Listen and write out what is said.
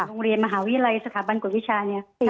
โรงเรียนมหาวิทยาลัยสถาบันกฎวิชาเนี่ย